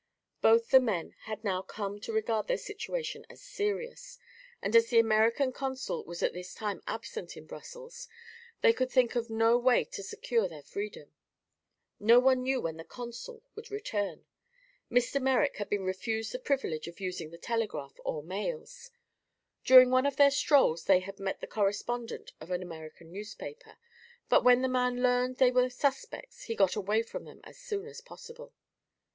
Both the men had now come to regard their situation as serious and as the American consul was at this time absent in Brussels they could think of no way to secure their freedom. No one knew when the consul would return; Mr. Merrick had been refused the privilege of using the telegraph or mails. During one of their strolls they had met the correspondent of an American newspaper, but when the man learned they were suspects he got away from them as soon as possible.